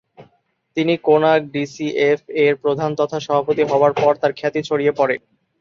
তিনি কোনাগ-ডিসিএফ এর প্রধান তথা সভাপতি হওয়ার পর তার খ্যাতি ছড়িয়ে পড়ে।